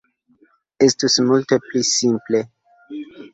Estus multe pli simple.